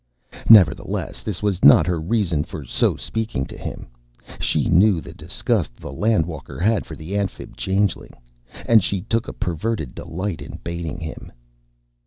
Nevertheless, this was not her reason for so speaking to him. She knew the disgust the Land walker had for the Amphib changeling, and she took a perverted delight in baiting him.